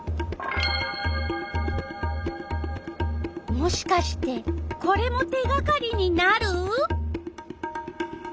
もしかしてこれも手がかりになる？